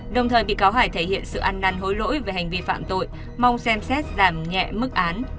đồng thời bị cáo hải thể hiện sự ăn năn hối lỗi về hành vi phạm tội mong xem xét giảm nhẹ mức án